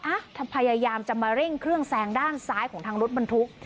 พยายามจะมาเร่งเครื่องแซงด้านซ้ายของทางรถบรรทุก